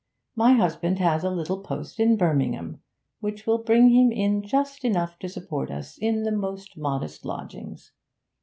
'My husband has a little post in Birmingham, which will bring him in just enough to support us in the most modest lodgings.